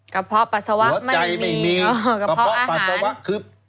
กระเพาะปัสสาวะไม่มีกระเพาะอาหารหรือใจไม่มีกระเพาะปัสสาวะคือ